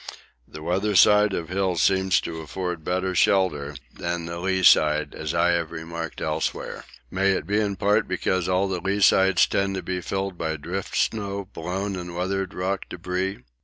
The weather side of hills seems to afford better shelter than the lee side, as I have remarked elsewhere. May it be in part because all lee sides tend to be filled by drift snow, blown and weathered rock debris?